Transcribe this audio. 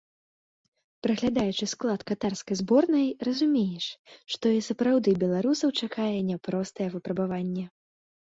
Праглядаючы склад катарскай зборнай, разумееш, што і сапраўды беларусаў чакае няпростае выпрабаванне.